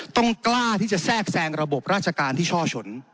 กล้าที่จะแทรกแทรงระบบราชการที่ช่อชน